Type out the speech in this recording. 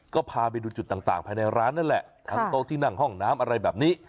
ก็พาไปดูจุดต่างภายในร้านนั่นแหละทั้งโต๊ะที่นั่งห้องน้ำอะไรแบบนี้